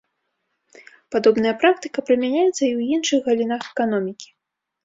Падобная практыка прымяняецца і ў іншых галінах эканомікі.